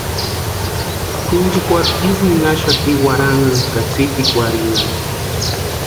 Kwʼinchikwarhu isï ninhaxati warhanhani ka tsipikwarhinhani.